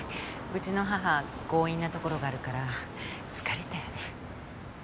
うちの母強引なところがあるから疲れたよね？